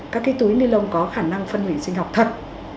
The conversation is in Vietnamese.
các túi ni lông có khả năng phân hủy sinh học thật